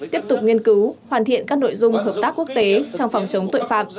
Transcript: tiếp tục nghiên cứu hoàn thiện các nội dung hợp tác quốc tế trong phòng chống tội phạm